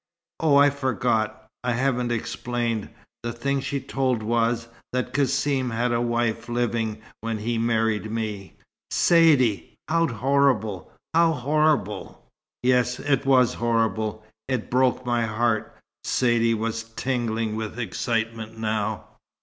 "Oh, I forgot. I haven't explained. The thing she told was, that Cassim had a wife living when he married me." "Saidee! how horrible! How horrible!" "Yes, it was horrible. It broke my heart." Saidee was tingling with excitement now.